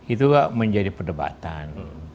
itu menjadi perdebatan